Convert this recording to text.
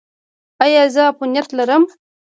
ایا زه عفونت لرم؟